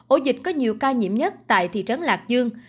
ổ dịch có nhiều ca nhiễm nhất tại thị trấn lạc dương